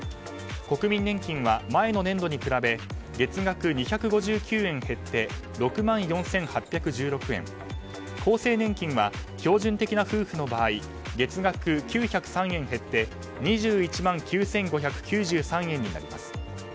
国民年金は前の年度に比べ月額２５９円減って６万４８１６円厚生年金は標準的な夫婦の場合月額９０３円減って２１万９５９３円になります。